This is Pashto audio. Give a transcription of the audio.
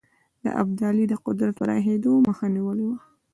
د ابدالي د قدرت پراخېدلو مخه نیولې وه.